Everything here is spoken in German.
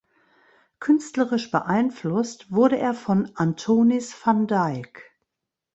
Künstlerisch beeinflusst wurde er von Anthonis van Dyck.